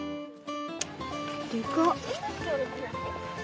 でかっ。